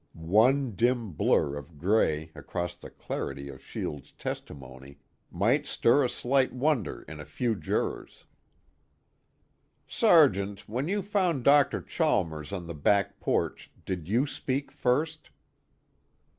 One dim blur of gray across the clarity of Shields' testimony might stir a slight wonder in a few jurors. "Sergeant, when you found Dr. Chalmers on the back porch, did you speak first?"